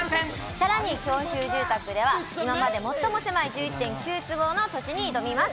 さらに狭小住宅では今までで最も狭い１１．９坪の土地に挑みます。